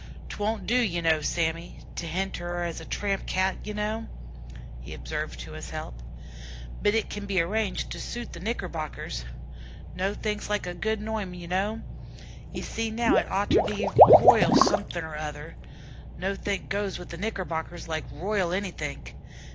"'T won't do, ye kneow, Sammy, to henter 'er as a tramp Cat, ye kneow," he observed to his help; "but it kin be arranged to suit the Knickerbockers. Nothink like a good noime, ye kneow. Ye see now it had orter be 'Royal' somethink or other nothink goes with the Knickerbockers like 'Royal' anythink.